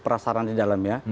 perasaran di dalamnya